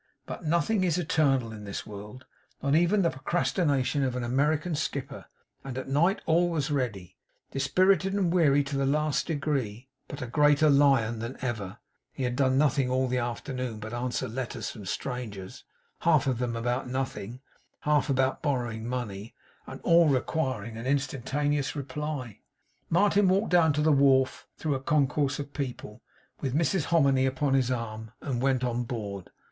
But nothing is eternal in this world; not even the procrastination of an American skipper; and at night all was ready. Dispirited and weary to the last degree, but a greater lion than ever (he had done nothing all the afternoon but answer letters from strangers; half of them about nothing; half about borrowing money, and all requiring an instantaneous reply), Martin walked down to the wharf, through a concourse of people, with Mrs Hominy upon his arm; and went on board.